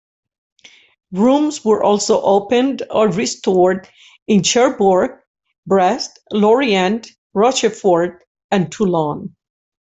Rooms were also opened or restored in Cherbourg, Brest, Lorient, Rochefort and Toulon.